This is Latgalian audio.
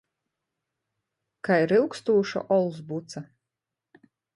Kai ryugstūša ols buca.